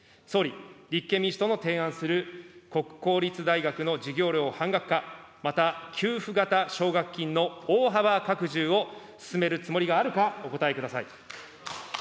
総理、立憲民主党の提案する国公立大学の授業料半額化、また給付型奨学金の大幅拡充を進めるつもりがあるか、お答えください。